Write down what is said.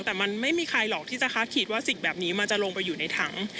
แต่มันไม่มีใครหรอกที่จะคาดคิดว่าสิ่งแบบนี้มันจะลงไปอยู่ในถัง